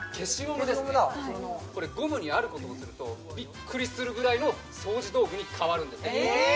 これゴムにあることをするとビックリするぐらいの掃除道具に変わるんですええ！？